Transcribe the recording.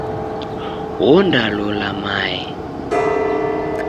Onda lola mae.